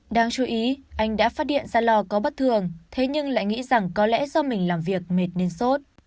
đáng chú ý anh đã phát điện ra lò có bất thường thế nhưng lại nghĩ rằng có lẽ do mình làm việc mệt nên sốt